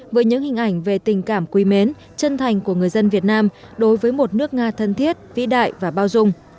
với những hình ảnh về tình cảm quý mến chân thành của người dân việt nam đối với một nước nga thân thiết vĩ đại và bao dung